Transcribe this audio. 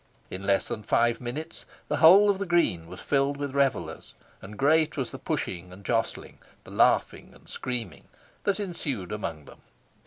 In less than five minutes the whole of the green was filled with revellers, and great was the pushing and jostling, the laughing and screaming, that ensued among them.